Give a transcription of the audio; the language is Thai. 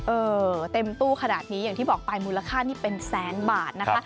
เออเต็มตู้ขนาดนี้อย่างที่บอกไปมูลค่านี่เป็นแสนบาทนะคะ